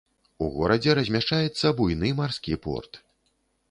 У горадзе размяшчаецца буйны марскі порт.